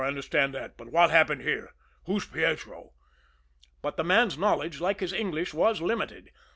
I understand that but what happened here? Who's Pietro?" But the man's knowledge, like his English, was limited.